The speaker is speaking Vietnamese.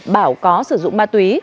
bảo có sử dụng ma túy